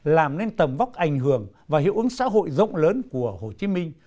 làm nên tầm vóc ảnh hưởng và hiệu ứng xã hội rộng lớn của hồ chí minh